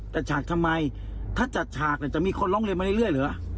ฉากทำไมถ้าจัดฉากจะมีคนร้องเรียนมาเรื่อยเหรอ